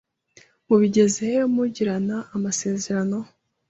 Mubigezehe mugirana amasezerano